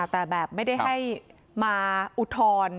แต่แบบไม่ได้ให้มาอุทธรณ์